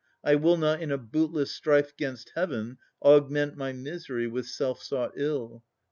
I will not, in a bootless strife 'gainst Heaven, Augment my misery with self sought ill.